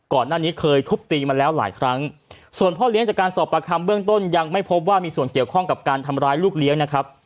ก่อนหน้านี้เคยทุบตีมาแล้วหลายครั้งส่วนพ่อเลี้ยงจากการสอบประคำเบื้องต้นยังไม่พบว่ามีส่วนเกี่ยวข้องกับการทำร้ายลูกเลี้ยงนะครับ